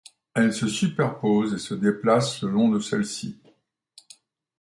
Elle se superpose et se déplace le long de celles-ci.